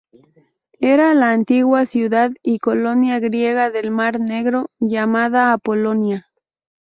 Era la antigua ciudad y colonia griega del mar Negro llamada Apolonia.